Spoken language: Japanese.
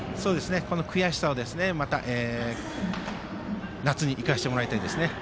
この悔しさを夏に生かしてもらいたいです。